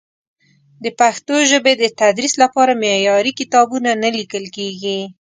د پښتو ژبې د تدریس لپاره معیاري کتابونه نه لیکل کېږي.